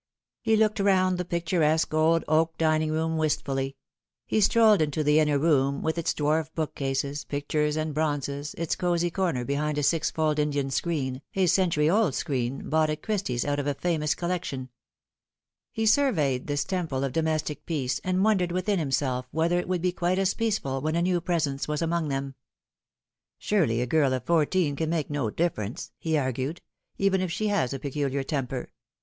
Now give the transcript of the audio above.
He lacked round the picturesque old oak dining room wistfully ; he strolled into the inner room, with its dwarf book cases, pictures, and bronzes, its cosy corner behind a sisfold Indian screen, a century old screen, bought at Christie's out of a famous collection. He surveyed this temple of domestic IS The Fatal Three. peace, and wondered within himself whether it would be quite as peaceful when a new presence was among them. " Surely a girl of fourteen can make no difference," he argued, " even if she has a peculiar temper.